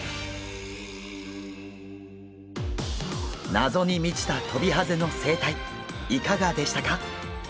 謎に満ちたトビハゼの生態いかがでしたか？